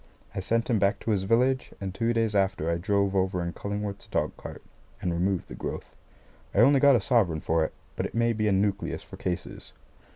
I sent him back to his village, and two days after I drove over in Cullingworth's dog cart, and removed the growth. I only got a sovereign for it. But it may be a nucleus for cases.